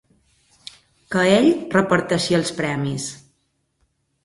Que ell reparteixi els premis.